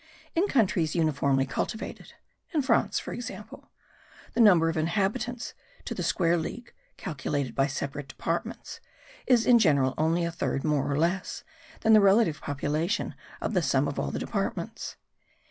In countries uniformly cultivated in France, for example the number of inhabitants to the square league, calculated by separate departments, is in general only a third, more or less, than the relative population of the sum of all the departments.